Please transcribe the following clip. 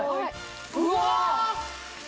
うわ！